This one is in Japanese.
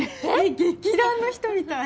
劇団の人みたい。